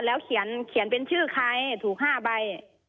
ก็เลยถามว่าแล้วเขียนเป็นชื่อใครถูก๕ใบ